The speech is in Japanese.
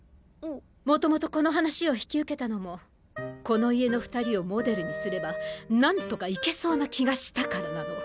元々この話を引き受けたのもこの家の２人をモデルにすれば何とかいけそうな気がしたからなの。